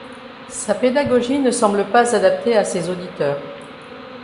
Sa pédagogie ne semble pas adaptée à ses auditeurs.